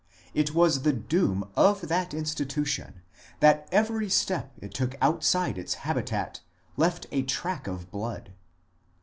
It was the doom of that institution that every step it took out side its habitat left a track of blood.